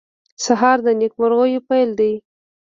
سهار د نیکمرغیو پېل دی.